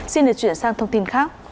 xin để chuyển sang thông tin khác